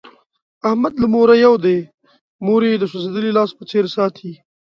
احمد له موره یو دی، مور یې د سوزېدلي لاس په څیر ساتي.